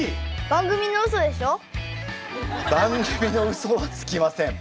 番組のウソはつきません。